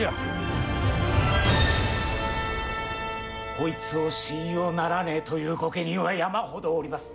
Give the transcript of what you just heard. こいつを信用ならねえという御家人は山ほどおります。